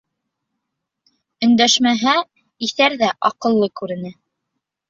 Өндәшмәһә, иҫәр ҙә аҡыллы күренә.